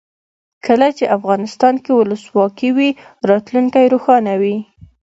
کله چې افغانستان کې ولسواکي وي راتلونکی روښانه وي.